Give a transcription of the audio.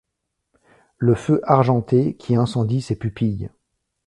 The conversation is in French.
Le feu argenté qui incendie ses pupilles.